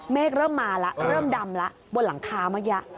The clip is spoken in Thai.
เริ่มมาแล้วเริ่มดำแล้วบนหลังคาเมื่อกี้